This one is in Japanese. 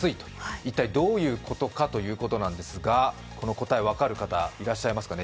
一体どういうことかということですがこの答え、分かる方、いらっしゃいますかね。